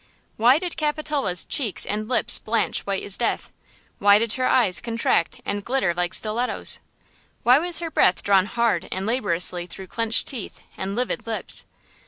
Why did Capitola's cheeks and lips blanch white as death? Why did her eyes contract and glitter like stilettoes? Why was her breath drawn hard and laboriously through clenched teeth and livid lips?